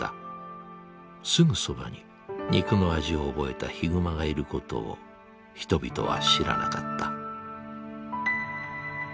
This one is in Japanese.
すぐそばに肉の味を覚えたヒグマがいることを人々は知らなかった。